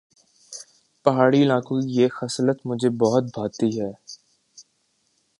پہاڑی علاقوں کی یہ خصلت مجھے بہت بھاتی ہے